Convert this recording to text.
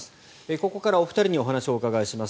ここからお二人にお話をお伺いします。